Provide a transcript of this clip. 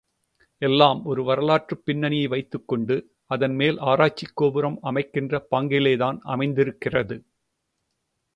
எல்லாம் ஒரு சிறு வரலாற்றுப் பின்னணியை வைத்துக்கொண்டு, அதன்மேல் ஆராய்ச்சிக் கோபுரம் அமைக்கின்ற பாங்கிலேதான் அமைந்திருக்கிறது.